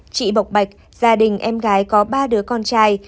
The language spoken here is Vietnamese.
chị bộc bạch gia đình em gái có ba đứa con trai